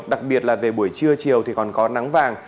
đặc biệt là về buổi trưa chiều thì còn có nắng vàng